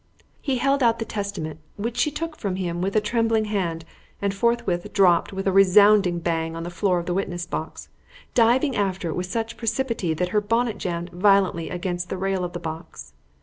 He held out the Testament, which she took from him with a trembling hand and forthwith dropped with a resounding bang on to the floor of the witness box, diving after it with such precipitancy that her bonnet jammed violently against the rail of the box.